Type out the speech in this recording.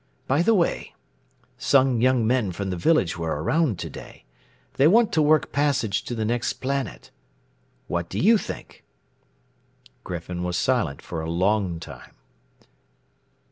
By the way, some young men from the village were around today. They want to work passage to the next planet. What do you think?" Griffin was silent for a long time.